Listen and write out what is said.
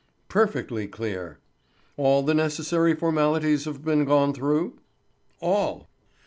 "Perfectly clear." "All the necessary formalities have been gone through?" "All."